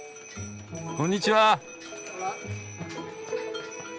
こんにちは。